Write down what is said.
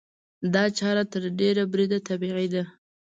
دا چاره تر ډېره بریده طبیعي ده.